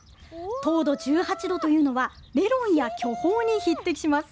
糖度１８度というのは、メロンや巨峰に匹敵します。